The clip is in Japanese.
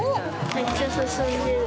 めっちゃすすんでる。